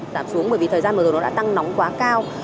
giảm xuống bởi vì thời gian vừa rồi nó đã tăng nóng quá cao